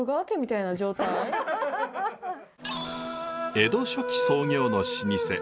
江戸初期創業の老舗。